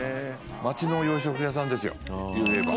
町の洋食屋さんですよいえば。